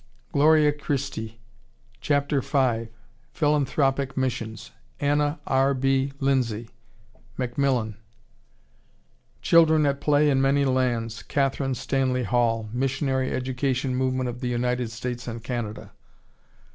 Gloria Christi, Chap. v, "Philanthropic Missions," Anna R. B. Lindsay, (Macmillan.) Children at Play in Many Lands, Katherine Stanley Hall, (Missionary Education Movement of the United States and Canada.)